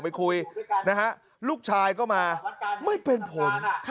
ไปคุยนะฮะลูกชายก็มาไม่เป็นผล